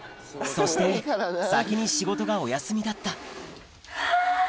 そして先に仕事がお休みだったあぁ！